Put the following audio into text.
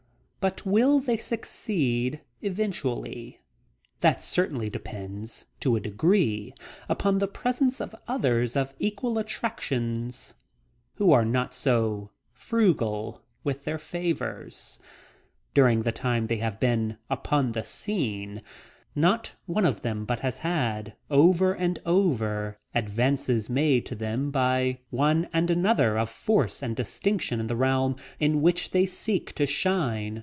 But will they succeed eventually? That certainly depends to a degree upon the presence of others of equal attractions who are not so frugal with their favors. During the time they have been upon the scene not one of them but has had, over and over, advances made to them by one and another of force and distinction in the realm in which they seek to shine.